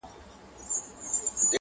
• پر چمن باندي له دریو خواوو -